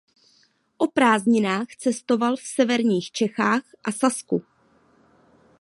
O prázdninách cestoval v severních Čechách a Sasku.